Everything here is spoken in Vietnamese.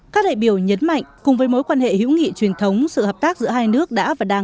các đại biểu nhấn mạnh cùng với mối quan hệ hữu nghị truyền thống sự hợp tác giữa hai nước đã và đang